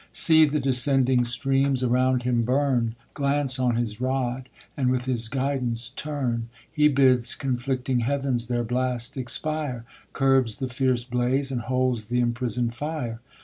See the descending streams around him hurn, Glar.cc on }ji= rod, and with his guidance turn; He bids convicting heav'ns their blast expire, Curbs the fierce blaze, and holds th'^imprisonM fire.